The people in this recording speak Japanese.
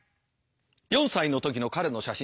４歳の時の彼の写真だ。